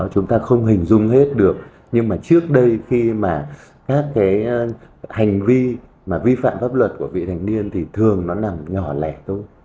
chúng ta không hình dung hết được nhưng mà trước đây khi mà các cái hành vi mà vi phạm pháp luật của vị thành niên thì thường nó nằm nhỏ lẻ thôi